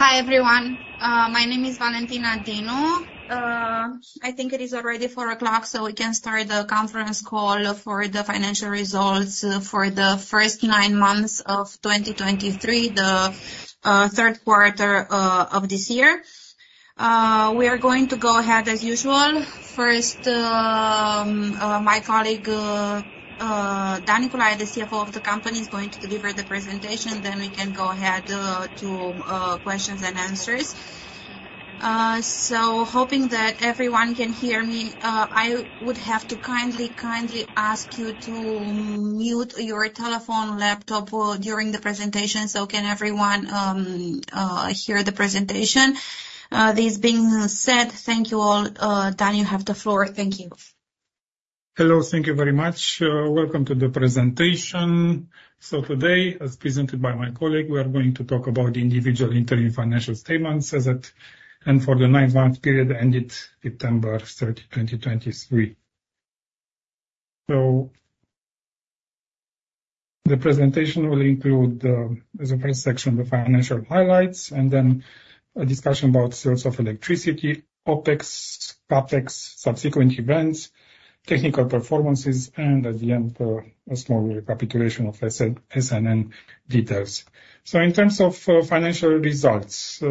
Hi, everyone. My name is Valentina Dinu. I think it is already 4 o'clock, so we can start the conference call for the financial results for the first nine months of 2023, the Q3 of this year. We are going to go ahead as usual. First, my colleague Dan Niculaie, the CFO of the company, is going to deliver the presentation, then we can go ahead to questions and answers. So hoping that everyone can hear me, I would have to kindly, kindly ask you to mute your telephone, laptop during the presentation, so can everyone hear the presentation? This being said, thank you all. Dan, you have the floor. Thank you. Hello. Thank you very much. Welcome to the presentation. So today, as presented by my colleague, we are going to talk about the individual interim financial statements as at and for the nine-month period ended September 30, 2023. So the presentation will include, as the first section, the financial highlights, and then a discussion about sales of electricity, OpEx, CapEx, subsequent events, technical performances, and at the end, a small recapitulation of SNN details. So in terms of, financial results,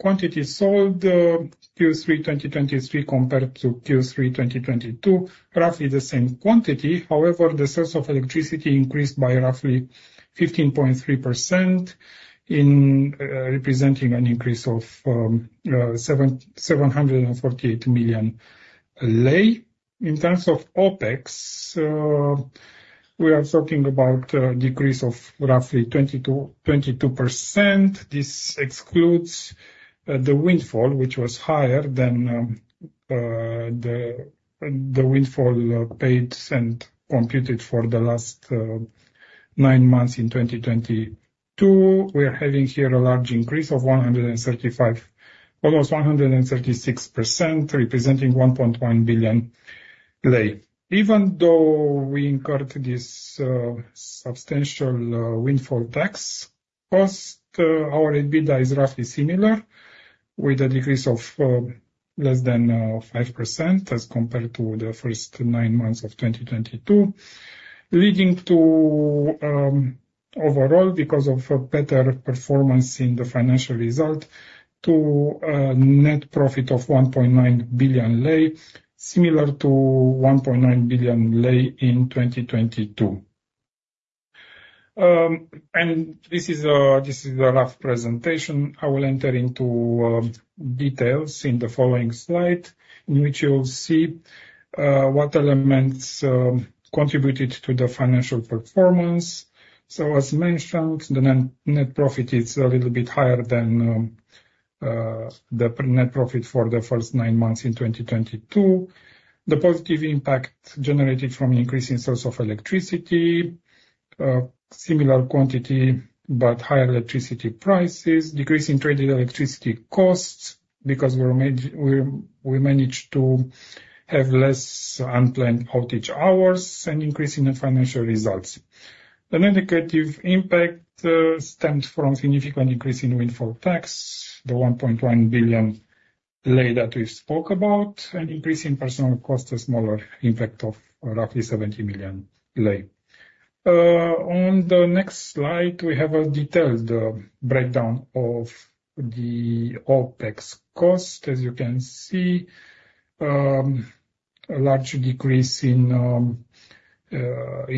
quantity sold, Q3 2023, compared to Q3 2022, roughly the same quantity. However, the sales of electricity increased by roughly 15.3% in, representing an increase of, 748 million RON. In terms of OpEx, we are talking about a decrease of roughly 20%-22%. This excludes the windfall, which was higher than the windfall paid and computed for the last nine months in 2022. We are having here a large increase of 135, almost 136%, representing RON 1.1 billion. Even though we incurred this substantial windfall tax cost, our EBITDA is roughly similar, with a decrease of less than 5% as compared to the first nine months of 2022, leading to overall, because of a better performance in the financial result, to a net profit of RON 1.9 billion, similar to RON 1.9 billion in 2022. And this is a rough presentation. I will enter into details in the following slide, in which you will see what elements contributed to the financial performance. So, as mentioned, the net profit is a little bit higher than the net profit for the first nine months in 2022. The positive impact generated from an increase in sales of electricity, similar quantity, but higher electricity prices, decrease in traded electricity costs because we managed to have less unplanned outage hours and increase in the financial results. The negative impact stemmed from significant increase in windfall tax, the RON 1.1 billion that we spoke about, an increase in personnel cost, a smaller impact of roughly RON 70 million. On the next slide, we have a detailed breakdown of the OpEx cost. As you can see, a large decrease with respect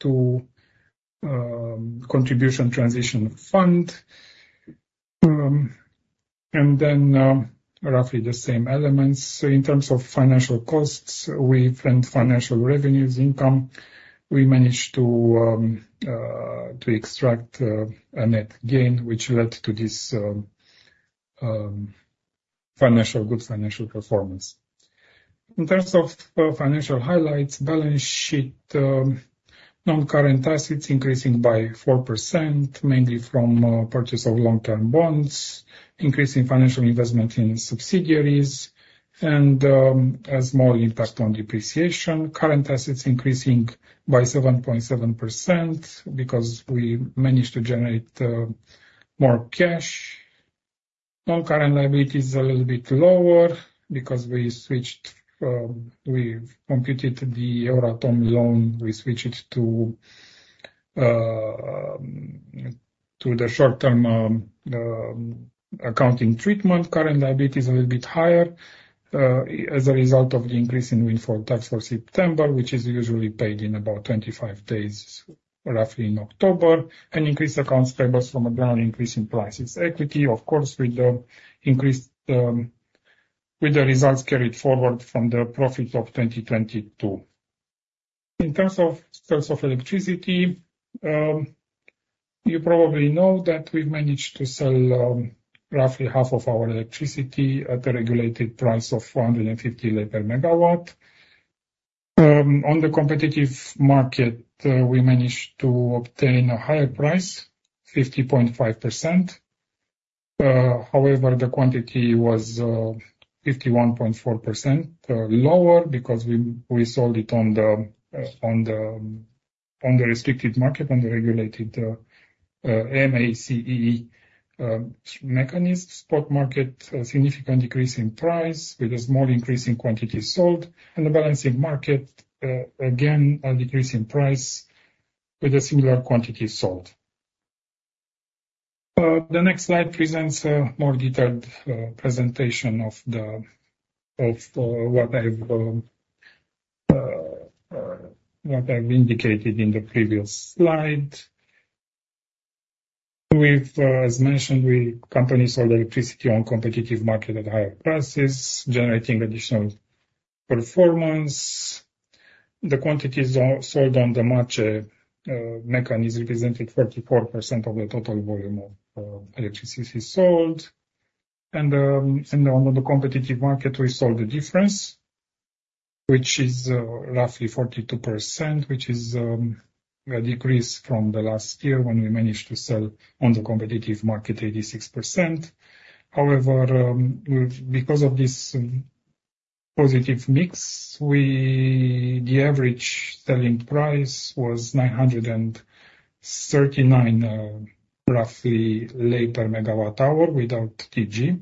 to the decommissioning fund. And then, roughly the same elements. So in terms of financial costs, we framed financial revenues income. We managed to extract a net gain, which led to this good financial performance. In terms of financial highlights, balance sheet, non-current assets increasing by 4%, mainly from purchase of long-term bonds, increase in financial investment in subsidiaries, and a small impact on depreciation. Current assets increasing by 7.7% because we managed to generate more cash. Non-current liability is a little bit lower because we switched, we've computed the Euratom loan, we switched it to the short-term accounting treatment. Current liability is a bit higher, as a result of the increase in windfall tax for September, which is usually paid in about 25 days, roughly in October, and increased accounts payables from a general increase in prices. Equity, of course, with the increased, with the results carried forward from the profit of 2022. In terms of sales of electricity, you probably know that we've managed to sell, roughly half of our electricity at the regulated price of 450 RON per megawatt. On the competitive market, we managed to obtain a higher price, 50.5%.... However, the quantity was, 51.4% lower because we sold it on the restricted market, on the regulated MACE mechanism. Spot market, a significant decrease in price with a small increase in quantity sold, and the balancing market, again, a decrease in price with a similar quantity sold. The next slide presents a more detailed presentation of the, of, what I've indicated in the previous slide. With, as mentioned, company sold electricity on competitive market at higher prices, generating additional performance. The quantities are sold on the MACE mechanism, representing 34% of the total volume of electricity sold. And on the competitive market, we sold the difference, which is roughly 42%, which is a decrease from the last year when we managed to sell on the competitive market, 86%. However, because of this positive mix, we... The average selling price was 939, roughly RON 939 per MWh without TG,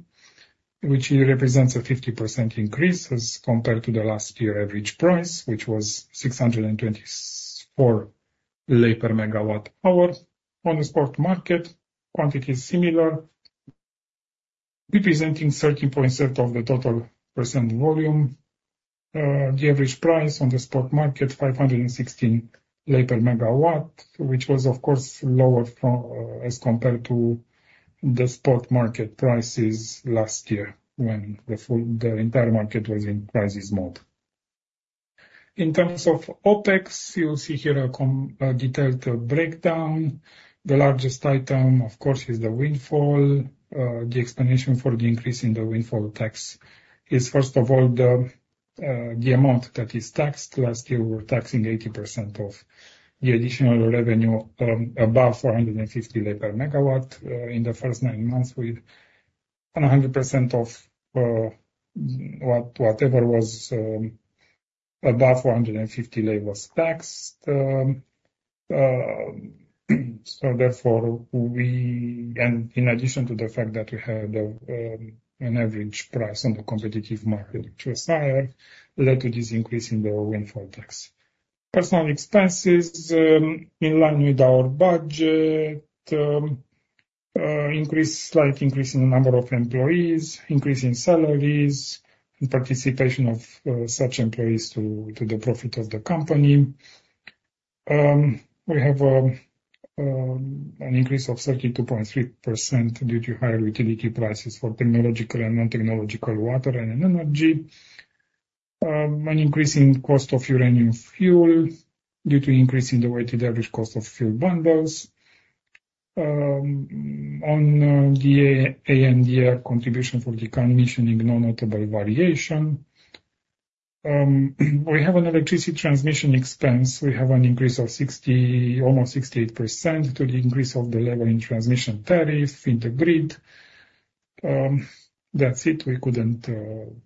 which represents a 50% increase as compared to the last year average price, which was RON 624 per MWh. On the spot market, quantity is similar, representing 13.7% of the total volume. The average price on the spot market, RON 516 per megawatt, which was of course, lower from, as compared to the spot market prices last year, when the entire market was in crisis mode. In terms of OpEx, you'll see here a detailed breakdown. The largest item, of course, is the windfall. The explanation for the increase in the windfall tax is, first of all, the amount that is taxed. Last year, we were taxing 80% of the additional revenue above RON 450 per megawatt. In the first nine months, we and 100% of whatever was above RON 450 was taxed. So therefore, and in addition to the fact that we had an average price on the competitive market, which was higher, led to this increase in the windfall tax. Personal expenses in line with our budget, increase, slight increase in the number of employees, increase in salaries, and participation of such employees to the profit of the company. We have an increase of 32.3% due to higher utility prices for technological and non-technological water and energy. An increase in cost of uranium fuel due to increase in the weighted average cost of fuel bundles. On the ANDR contribution for the decommissioning, no notable variation. We have an electricity transmission expense. We have an increase of 60, almost 68% to the increase of the level in transmission tariff integrated. That's it. We couldn't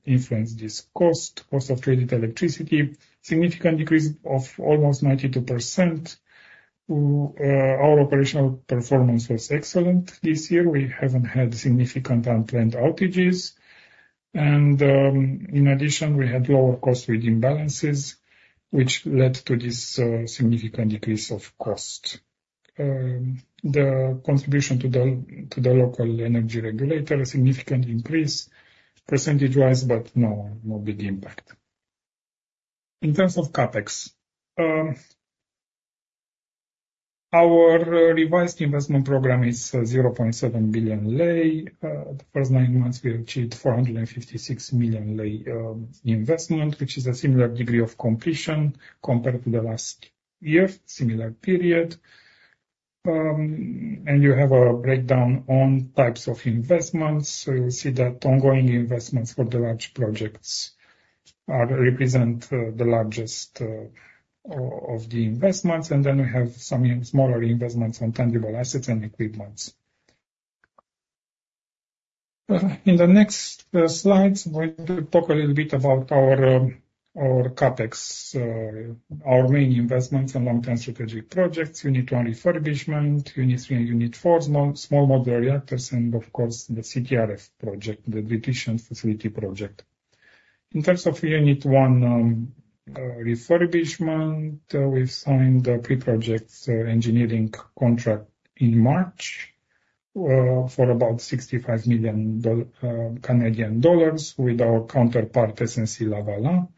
influence this cost. Cost of traded electricity, significant decrease of almost 92%. Our operational performance was excellent this year. We haven't had significant unplanned outages, and, in addition, we had lower cost reading balances, which led to this, significant decrease of cost. The contribution to the, to the local energy regulator, a significant increase percentage-wise, but no, no big impact. In terms of CapEx, our revised investment program is, zero point seven billion lei. The first nine months, we achieved RON 456 million investment, which is a similar degree of completion compared to the last year, similar period. You have a breakdown on types of investments, so you'll see that ongoing investments for the large projects represent the largest of the investments, and then we have some smaller investments on tangible assets and equipments. In the next slides, we'll talk a little bit about our our CapEx our main investments and long-term strategic projects. Unit 1 refurbishment, Unit 3 and Unit 4, small modular reactors, and of course, the CTRF project, the detritiation facility project. In terms of Unit 1 refurbishment, we've signed a pre-project engineering contract in March for about 65 million Canadian dollars with our counterpart, SNC-Lavalin,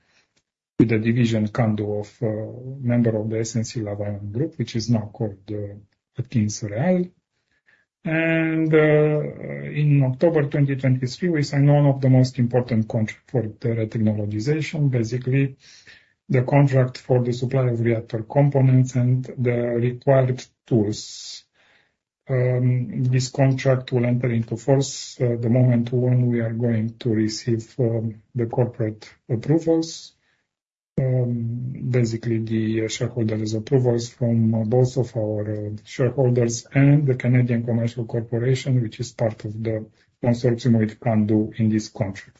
with a division CANDU of member of the SNC-Lavalin group, which is now called AtkinsRéalis. In October 2023, we signed one of the most important contract for the technologization. Basically, the contract for the supply of reactor components and the required tools. This contract will enter into force the moment when we are going to receive the corporate approvals. Basically, the shareholders approvals from both of our shareholders and the Canadian Commercial Corporation, which is part of the consortium with CANDU in this country.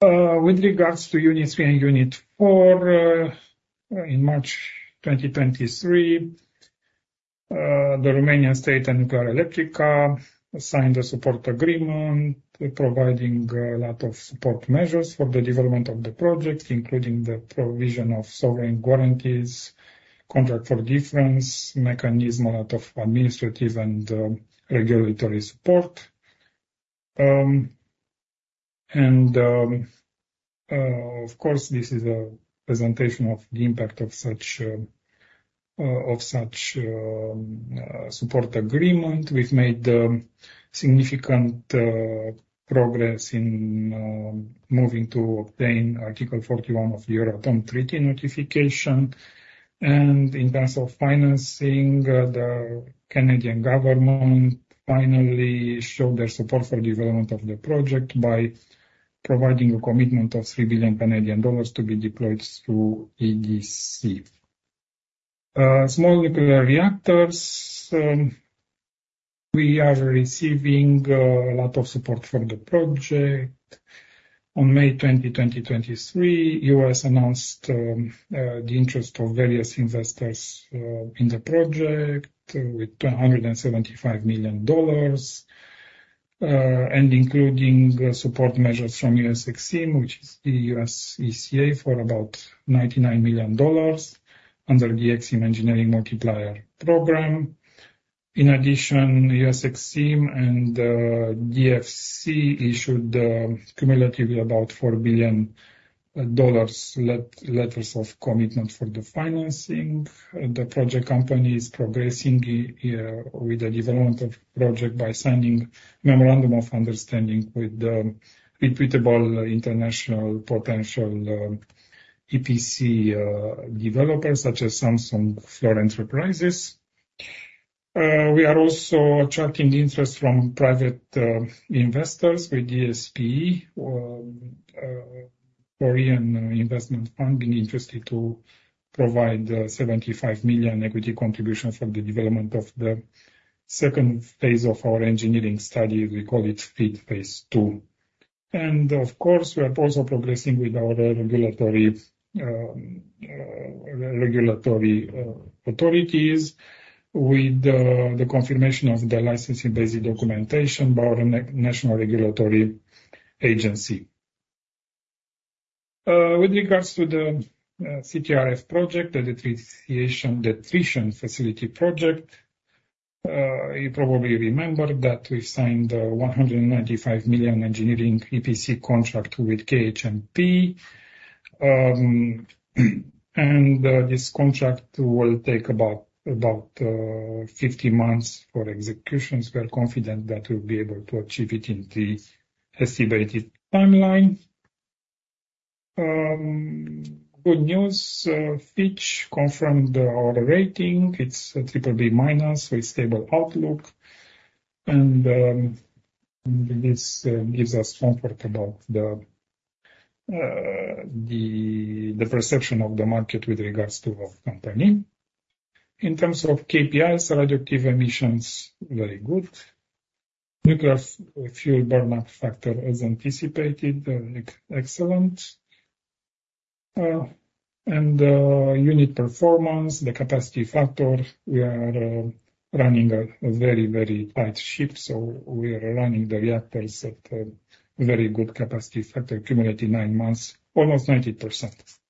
With regards to Unit 3 and Unit 4, in March 2023, the Romanian State and Nuclearelectrica signed a support agreement, providing a lot of support measures for the development of the project, including the provision of sovereign guarantees, contract for difference mechanism, a lot of administrative and regulatory support. Of course, this is a presentation of the impact of such support agreement. We've made significant progress in moving to obtain Article 41 of the Euratom Treaty notification. In terms of financing, the Canadian government finally showed their support for development of the project by providing a commitment of 3 billion Canadian dollars to be deployed through EDC. Small nuclear reactors, we are receiving a lot of support from the project. On May 20, 2023, the U.S. announced the interest of various investors in the project with $175 million and including support measures from U.S. EXIM, which is the U.S. ECA, for about $99 million under the EXIM Engineering Multiplier Program. In addition, U.S. EXIM and DFC issued cumulatively about $4 billion letters of commitment for the financing. The project company is progressing with the development of project by signing memorandum of understanding with the reputable international potential EPC developers such as Samsung, Fluor Enterprises. We are also attracting the interest from private investors with DSPE Korean Investment Fund being interested to provide 75 million equity contribution for the development of the second phase of our engineering study. We call it FEED Phase II. Of course, we are also progressing with our regulatory authorities with the confirmation of the licensing basic documentation by our National Regulatory Agency. With regards to the CTRF project, the de-tritiation facility project, you probably remember that we signed a RON 195 million engineering EPC contract with KHNP. And this contract will take about 50 months for execution. We're confident that we'll be able to achieve it in the estimated timeline. Good news, Fitch confirmed our rating. It's a BBB- with stable outlook, and this gives us comfort about the perception of the market with regards to our company. In terms of KPIs, radioactive emissions, very good. Nuclear fuel burnout factor, as anticipated, excellent. Unit performance, the capacity factor, we are running a very very tight ship, so we are running the reactors at a very good capacity factor, cumulative nine months, almost 90%.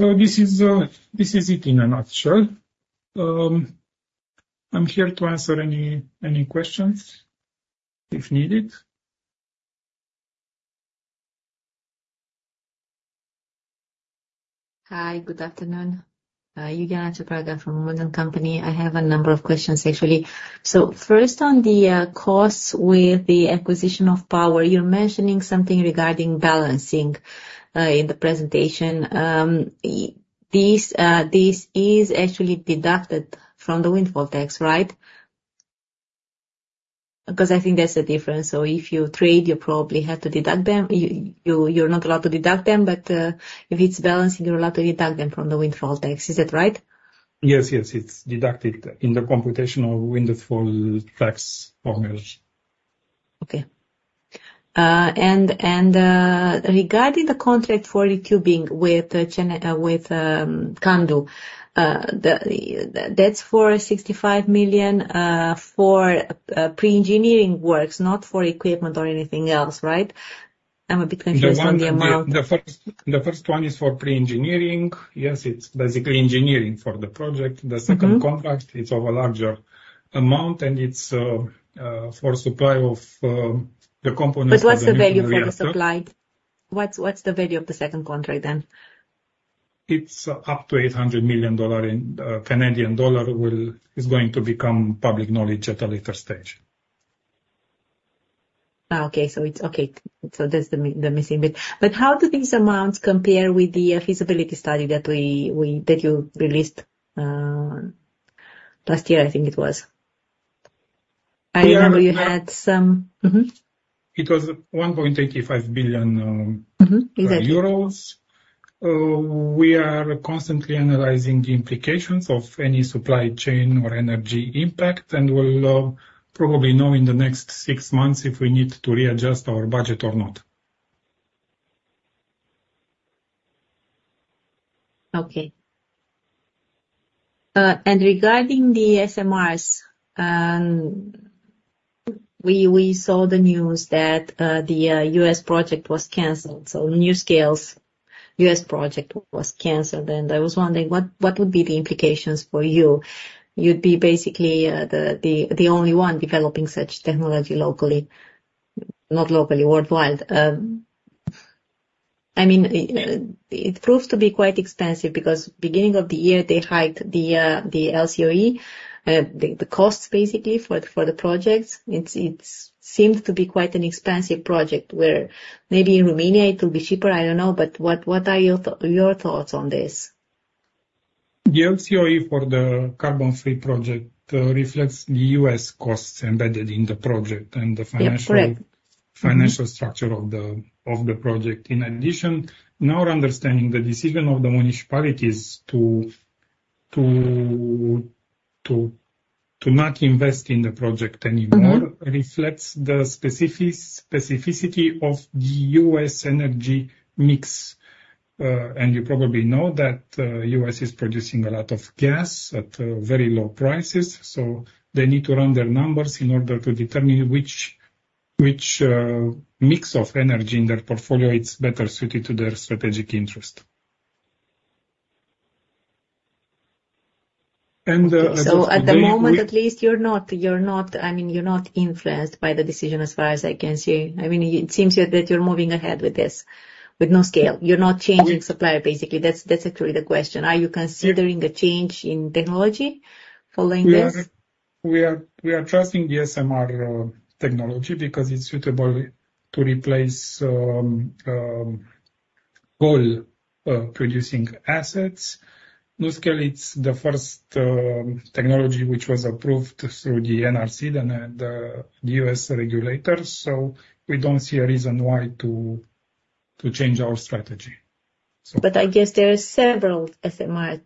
So this is it in a nutshell. I'm here to answer any questions if needed. Hi, good afternoon. Iuliana Ciopraga from WOOD & Company. I have a number of questions actually. So first, on the costs with the acquisition of power, you're mentioning something regarding balancing in the presentation. This is actually deducted from the Windfall Tax, right? Because I think there's a difference. So if you trade, you probably have to deduct them. You're not allowed to deduct them, but if it's balancing, you're allowed to deduct them from the Windfall Tax. Is that right? Yes, yes, it's deducted in the computational windfall tax formulas. Okay. Regarding the contract for retubing with CANDU, that's for 65 million for pre-engineering works, not for equipment or anything else, right? I'm a bit confused on the amount. The first one is for pre-engineering. Yes, it's basically engineering for the project. Mm-hmm. The second contract, it's of a larger amount, and it's for supply of the components- But what's the value for the supply? What's the value of the second contract then? It's up to 800 million dollar in Canadian dollar. It's going to become public knowledge at a later stage. Okay. So it's okay. So that's the missing bit. But how do these amounts compare with the feasibility study that you released last year, I think it was? I remember you had some. It was RON 1.85 billion, Mm-hmm. Euros. We are constantly analyzing the implications of any supply chain or energy impact, and we'll probably know in the next six months if we need to readjust our budget or not. Okay. And regarding the SMRs, we saw the news that the U.S. project was canceled. So NuScale's U.S. project was canceled, and I was wondering, what would be the implications for you? You'd be basically the only one developing such technology locally. Not locally, worldwide. I mean, it proves to be quite expensive because beginning of the year, they hiked the LCOE, the costs, basically, for the projects. It seems to be quite an expensive project, where maybe in Romania it will be cheaper, I don't know. But what are your thoughts on this? The LCOE for the carbon-free project reflects the U.S. costs embedded in the project and the financial- Yeah, correct. Financial structure of the project. In addition, in our understanding, the decision of the municipalities to not invest in the project anymore- Mm-hmm... reflects the specificity of the U.S. energy mix. And you probably know that, U.S. is producing a lot of gas at very low prices, so they need to run their numbers in order to determine which mix of energy in their portfolio is better suited to their strategic interest. And- So at the moment, at least, you're not influenced by the decision as far as I can see. I mean, it seems that you're moving ahead with this, with NuScale. You're not changing supplier, basically. That's actually the question: Are you considering a change in technology following this? We are trusting the SMR technology because it's suitable to replace coal producing assets. NuScale, it's the first technology which was approved through the NRC, the U.S. regulators, so we don't see a reason why to change our strategy. I guess there are several SMR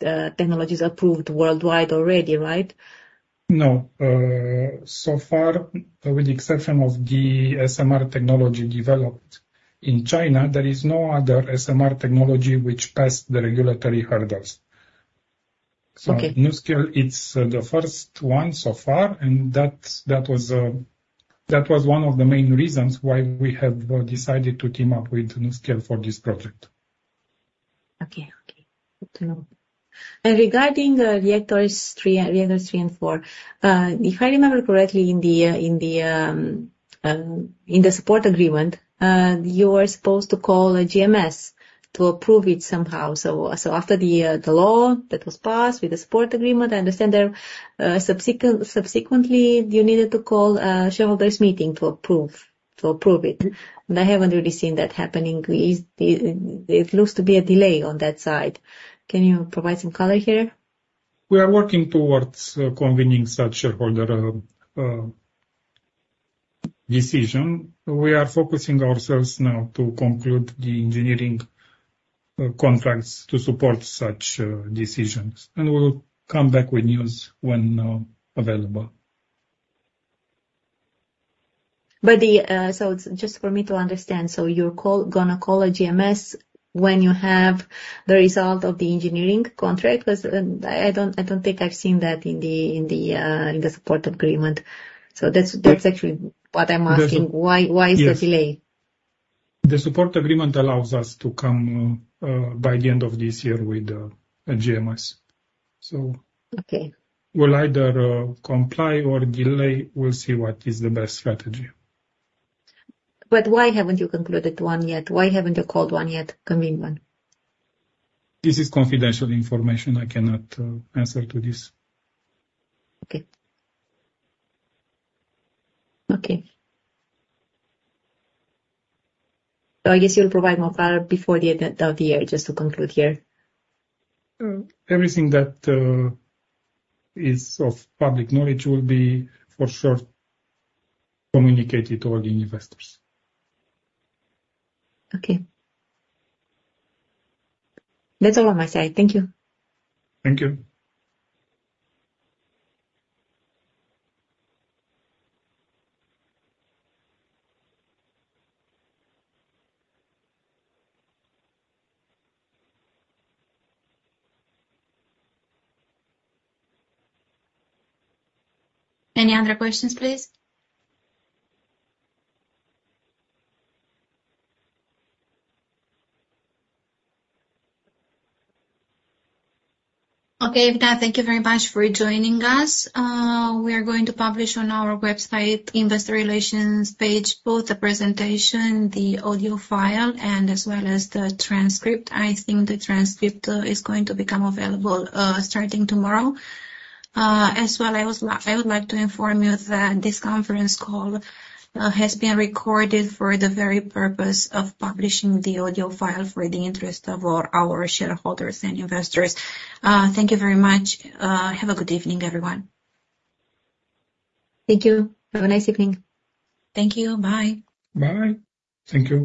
technologies approved worldwide already, right? No. So far, with the exception of the SMR technology developed in China, there is no other SMR technology which passed the regulatory hurdles. Okay. NuScale, it's the first one so far, and that was one of the main reasons why we have decided to team up with NuScale for this project. Okay. Okay. Good to know. And regarding the reactors three, reactors three and four, if I remember correctly, in the support agreement, you were supposed to call a GMS to approve it somehow. So, after the law that was passed with the support agreement, I understand that, subsequently, you needed to call a shareholders meeting to approve it. And I haven't really seen that happening. Is there... There looks to be a delay on that side. Can you provide some color here? We are working towards convening such shareholder decision. We are focusing ourselves now to conclude the engineering contracts to support such decisions. We'll come back with news when available. But the... So just for me to understand, so you're gonna call a GMS when you have the result of the engineering contract? 'Cause I don't think I've seen that in the support agreement. So that's actually what I'm asking. There's a- Why, why is the delay? The support agreement allows us to come by the end of this year with a GMS. So- Okay. We'll either comply or delay. We'll see what is the best strategy. But why haven't you concluded one yet? Why haven't you called one yet, convened one? This is confidential information. I cannot answer to this. Okay. So I guess you'll provide more clarity before the end of the year, just to conclude here. Everything that is of public knowledge will be, for sure, communicated to all the investors. Okay. That's all on my side. Thank you. Thank you. Any other questions, please? Okay, thank you very much for joining us. We are going to publish on our website, investor relations page, both the presentation, the audio file, and as well as the transcript. I think the transcript is going to become available starting tomorrow. As well, I would like to inform you that this conference call has been recorded for the very purpose of publishing the audio file for the interest of all our shareholders and investors. Thank you very much. Have a good evening, everyone. Thank you. Have a nice evening. Thank you. Bye. Bye. Thank you.